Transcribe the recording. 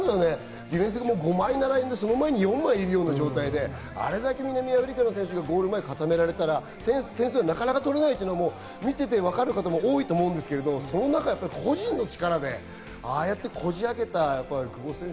ディフェンスも５枚並んで、その前に４人いる状態であれだけゴール前を固められたら、点数はなかなか取れないけど、見ててわかる方も多いと思いますけど、その中、個人の力でああやってこじ開けた久保選手